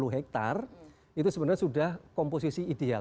delapan puluh hektar itu sebenarnya sudah komposisi ideal